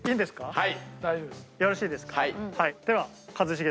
はい。